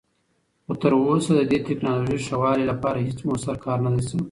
خو تراوسه د دې تکنالوژۍ ښه والي لپاره هیڅ مؤثر کار نه دی شوی.